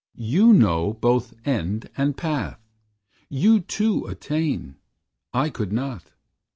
You know both End and Path. You, too, attain. I could not.